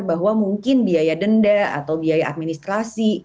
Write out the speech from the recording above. bahwa mungkin biaya denda atau biaya administrasi